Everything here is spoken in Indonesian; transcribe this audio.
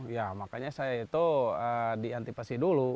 ya makanya saya itu diantisipasi dulu